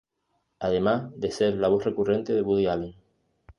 Además de ser la voz recurrente de Woody Allen.